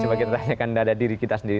coba kita tanyakan pada diri kita sendiri